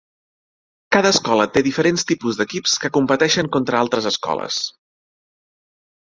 Cada escola té diferents tipus d'equips que competeixen contra altres escoles.